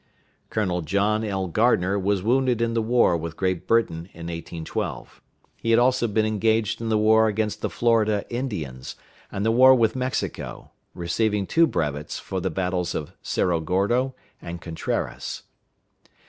Colonel John L. Gardner was wounded in the war with Great Britain in 1812. He had also been engaged in the war against the Florida Indians, and the war with Mexico, receiving two brevets for the battles of Cerro Gordo and Contreras.